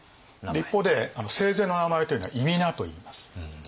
一方で生前の名前というのは諱といいます。